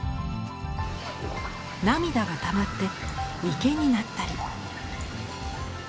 涙がたまって池になったり。